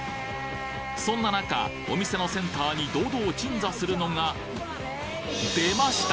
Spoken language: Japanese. そんな中お店のセンターに堂々鎮座するのがでました！